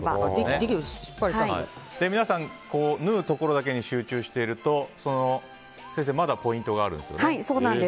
皆さん縫うところだけに集中していると先生、まだポイントがあるんですよね。